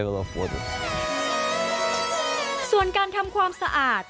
ส่วนการทำความสะอาด